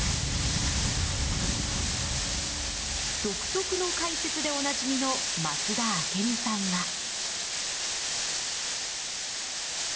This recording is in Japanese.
独特の解説でおなじみの増田明美さんは。